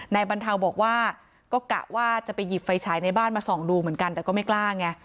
บรรเทาบอกว่าก็กะว่าจะไปหยิบไฟฉายในบ้านมาส่องดูเหมือนกันแต่ก็ไม่กล้าไง